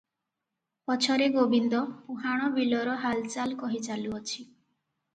ପଛରେ ଗୋବିନ୍ଦ ପୁହାଣ ବିଲର ହାଲଚାଲ କହି ଚାଲୁଅଛି